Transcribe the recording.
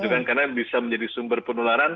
karena bisa menjadi sumber penularan